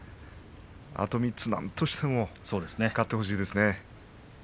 あと３つ、なんとしても勝ってほしいですね。